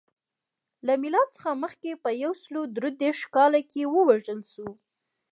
له میلاد څخه مخکې په یو سل درې دېرش کال کې ووژل شو.